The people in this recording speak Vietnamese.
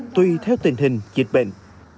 tuy theo tình hình dịch bệnh